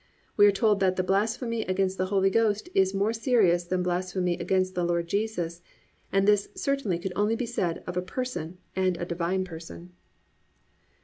We are told that the blasphemy against the Holy Ghost is more serious than the blasphemy against the Lord Jesus, and this certainly could only be said of a person and a Divine Person.